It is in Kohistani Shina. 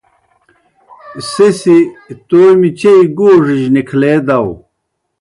سہ سی تومیْ چیئی گوڙِجیْ نِکھلے داؤ۔